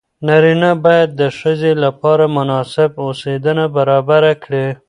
نارینه باید د ښځې لپاره مناسب اوسېدنه برابره کړي.